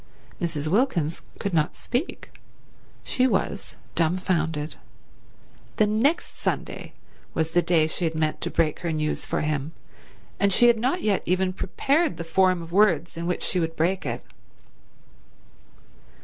Mrs. Wilkins could not speak. She was dumbfounded. The next Sunday was the day she had meant to break her news to him, and she had not yet even prepared the form of words in which she would break it.